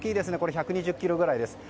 １２０ｋｇぐらいです。